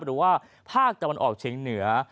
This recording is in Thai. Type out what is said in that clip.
หรือว่าภาคตะวันออกเฉียงเหนือ